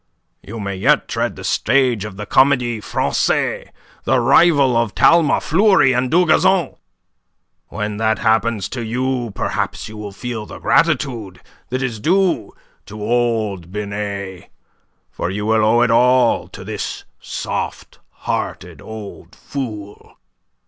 You may yet tread the stage of the Comedie Francaise, the rival of Talma, Fleury, and Dugazon. When that happens to you perhaps you will feel the gratitude that is due to old Binet, for you will owe it all to this soft hearted old fool."